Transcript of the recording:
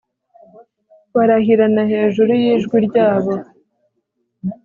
barahirana hejuru yijwi ryabo